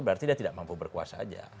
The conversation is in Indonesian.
berarti dia tidak mampu berkuasa aja